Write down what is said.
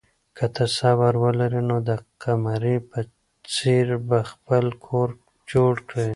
که ته صبر ولرې نو د قمرۍ په څېر به خپل کور جوړ کړې.